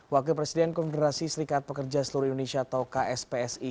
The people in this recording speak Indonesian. wakil presiden konfederasi serikat pekerja seluruh indonesia atau kspsi